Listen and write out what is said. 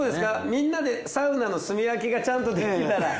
みんなでサウナのすみ分けがちゃんとできたら。